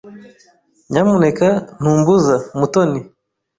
Nyamuneka ntumbuza, Mutoni.